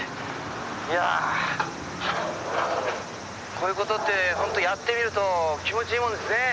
こういう事ってホントやってみると気持ちいいもんですねぇ。